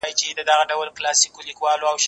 زه اوږده وخت د کتابتوننۍ سره خبري کوم،